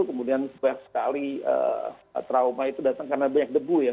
kemudian banyak sekali trauma itu datang karena banyak debu ya